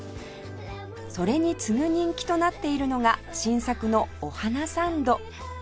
それに次ぐ人気となっているのが新作のお花サンド